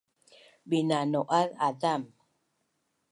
Binanau’az azam